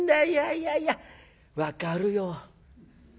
いやいやいや分かるよ。